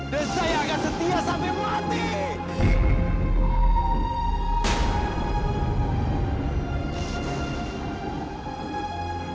dan saya akan setia sampai mati